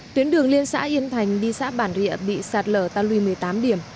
tuyến đường liên xã yên thành đi xã bản địa bị sạt lở ta lùi một mươi tám điểm